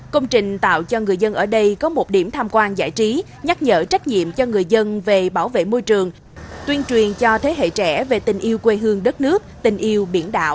công trình tạo cho người dân ở đây có một điểm tham quan giải trí nhắc nhở trách nhiệm cho người dân về bảo vệ môi trường tuyên truyền cho thế hệ trẻ về tình yêu quê hương đất nước tình yêu biển đảo